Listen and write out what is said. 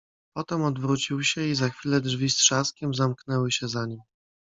"Potem odwrócił się i za chwilę drzwi z trzaskiem zamknęły się za nim."